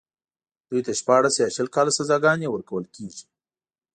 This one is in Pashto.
دوی ته شپاړس يا شل کاله سزاګانې ورکول کېږي.